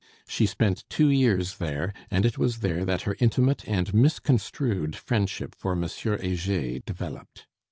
She spent two years there, and it was there that her intimate and misconstrued friendship for M. Heger developed.